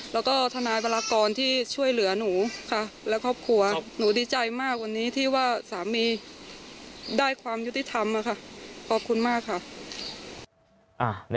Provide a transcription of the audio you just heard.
แล้วก็ทนายวรากรที่ช่วยเหลือหนูค่ะและครอบครัวหนูดีใจมากวันนี้ที่ว่าสามีได้ความยุติธรรมอะค่ะขอบคุณมากค่ะ